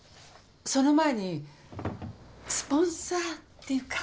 その前にスポンサーっていうか。